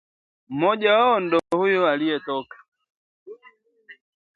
Mmoja wao nd’o huyo aliyetoka